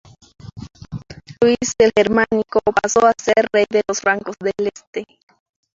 Luis el Germánico, pasó a ser rey de los francos del este.